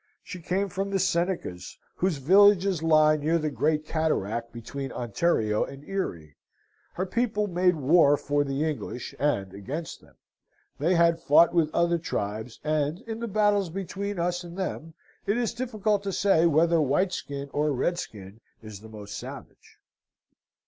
She came from the Senecas, whose villages lie near the great cataract between Ontario and Erie; her people made war for the English, and against them: they had fought with other tribes; and, in the battles between us and them, it is difficult to say whether whiteskin or redskin is most savage.